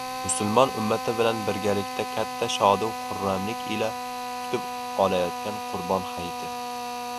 Musulmon ummati bilan birgalikda katta shod-u xurramlik ila kutib olayotgan Qurbon hayiti